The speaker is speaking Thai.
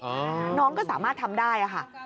โอ๊ยน้องก็สามารถทำได้ค่ะ